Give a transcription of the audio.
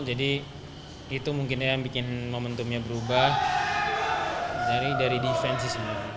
jadi itu mungkin yang membuat momentumnya berubah dari defensi